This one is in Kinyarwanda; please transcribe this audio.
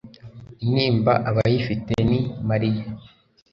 intimba abayifite, ni mariya